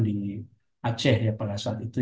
di aceh ya pada saat itu